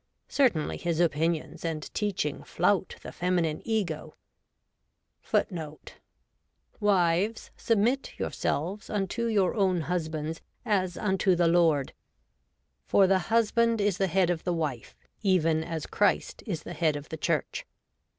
Certainly his opinions and teaching flout the feminine Ego.^ 'Wives, submit yourselves unto your own husbands, as unto the Lord. For the husband is the head of the wife, even as Christ is the head of the Church